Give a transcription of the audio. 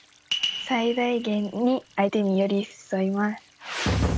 最大限に相手に寄り添います。